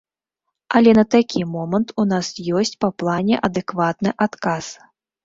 Але на такі момант у нас ёсць па плане адэкватны адказ.